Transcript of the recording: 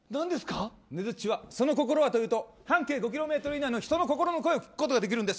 ねづっちはその心はと言うと半径５ｋｍ以内の人の心の声を聞くことができるんです。